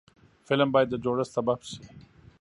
فلم باید د جوړښت سبب شي